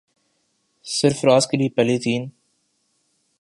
سرفراز کے لیے پہلی تین